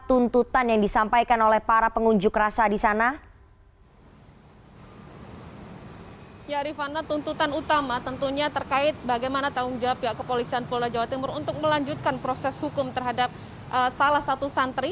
untuk melanjutkan proses hukum terhadap salah satu santri